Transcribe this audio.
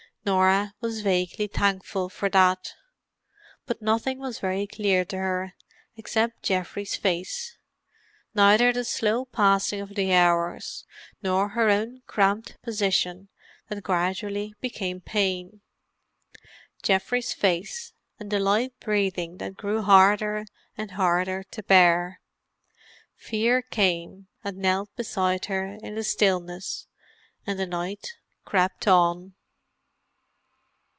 Norah was vaguely thankful for that. But nothing was very clear to her except Geoffrey's face; neither the slow passing of the hours nor her own cramped position that gradually became pain. Geoffrey's face, and the light breathing that grew harder and harder to bear. Fear came and knelt beside her in the stillness, and the night crept on.